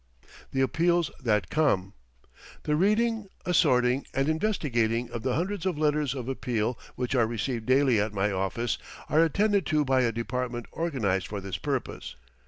THE APPEALS THAT COME The reading, assorting, and investigating of the hundreds of letters of appeal which are received daily at my office are attended to by a department organized for this purpose.